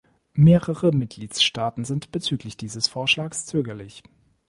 Mehrere Mitgliedstaaten sind bezüglich dieses Vorschlags zögerlich.